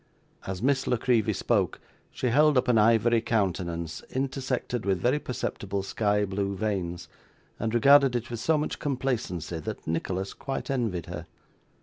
As Miss La Creevy spoke, she held up an ivory countenance intersected with very perceptible sky blue veins, and regarded it with so much complacency, that Nicholas quite envied her.